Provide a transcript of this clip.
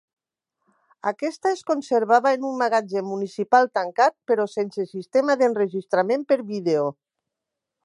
Aquesta es conservava en un magatzem municipal tancat, però sense sistema d'enregistrament per vídeo.